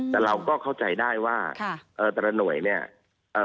แต่เราเข้าใจได้ว่าแต่ละหน่วยเนี่ย